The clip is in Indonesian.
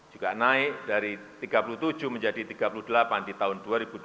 juga naik dari tiga puluh tujuh menjadi tiga puluh delapan di tahun dua ribu dua puluh